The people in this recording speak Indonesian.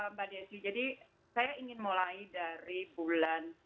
mbak desi jadi saya ingin mulai dari bulan